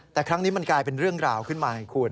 แต่ครั้งนี้มันกลายเป็นเรื่องราวขึ้นมาให้คุณ